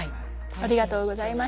ありがとうございます。